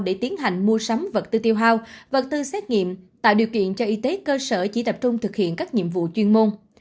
để tiến hành mua sắm vật tư tiêu hao vật tư xét nghiệm tạo điều kiện cho y tế cơ sở chỉ tập trung thực hiện các nhiệm vụ chuyên môn